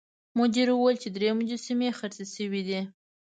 مدیر وویل چې درې مجسمې خرڅې شوې دي.